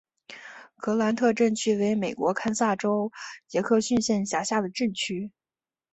格兰特镇区为美国堪萨斯州杰克逊县辖下的镇区。